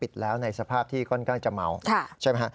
แล้วในสภาพที่ค่อนข้างจะเมาใช่ไหมฮะ